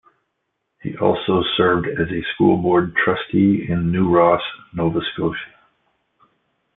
He also served as a school board trustee in New Ross, Nova Scotia.